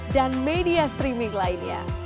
dan media streaming lainnya